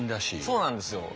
そうなんですよ。